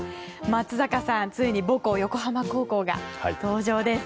松坂さん、ついに母校の横浜高校が登場です。